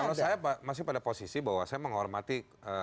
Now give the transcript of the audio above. kalau saya masih pada posisi bahwa saya menghormati